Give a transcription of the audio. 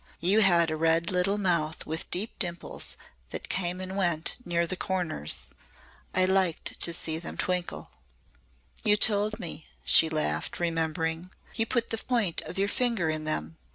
You had a red little mouth with deep dimples that came and went near the corners. I liked to see them twinkle." "You told me," she laughed, remembering. "You put the point of your finger in them.